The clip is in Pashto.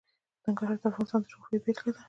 ننګرهار د افغانستان د جغرافیې بېلګه ده.